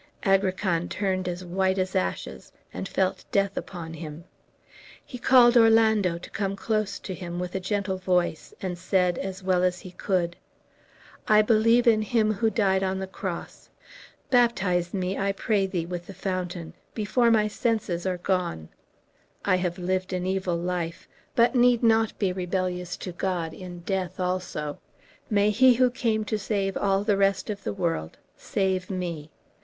Agrican turned as white as ashes, and felt death upon him. He called Orlando to come close to him, with a gentle voice, and said, as well as he could: "I believe on Him who died on the cross. Baptize me, I pray thee, with the fountain, before my senses are gone. I have lived an evil life, but need not be rebellious to God in death also. May He who came to save all the rest of the world save me!"